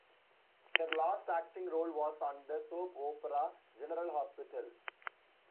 Her last acting role was on the soap opera "General Hospital".